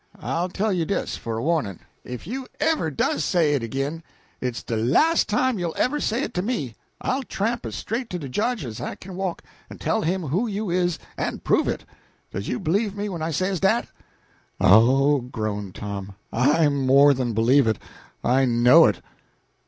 I'll tell you dis, for a warnin': if you ever does say it ag'in, it's de las' time you'll ever say it to me; I'll tramp as straight to de Judge as I kin walk, en tell him who you is, en prove it. Does you b'lieve me when I says dat?" "Oh," groaned Tom, "I more than believe it; I know it."